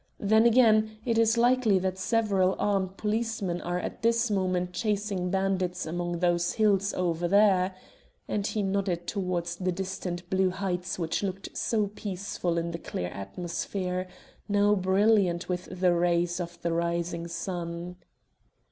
Then again, it is likely that several armed policemen are at this moment chasing bandits among those hills over there," and he nodded towards the distant blue heights which looked so peaceful in the clear atmosphere, now brilliant with the rays of the rising sun.